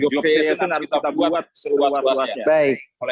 kita harus kita buat seluas luasnya